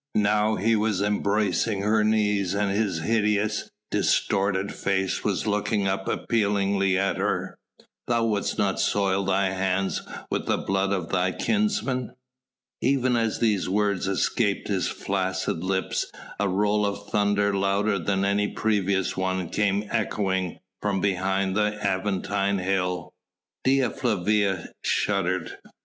Now he was embracing her knees and his hideous, distorted face was looking up appealingly at her. "Thou wouldst not soil thy hands with the blood of thy kinsman...." Even as these words escaped his flaccid lips a roll of thunder louder than any previous one came echoing from behind the Aventine Hill. Dea Flavia shuddered.